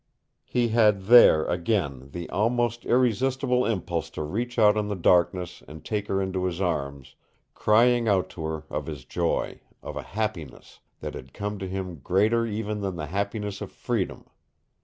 He had there, again, the almost irresistible impulse to reach out in the darkness and take her into his arms, crying out to her of his joy, of a happiness that had come to him greater even than the happiness of freedom.